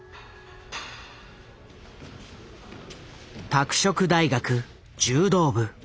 拓殖大学柔道部。